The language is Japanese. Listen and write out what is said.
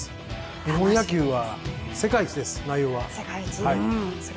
日本野球は世界一です、内容は。